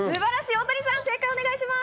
大谷さん、正解をお願いします。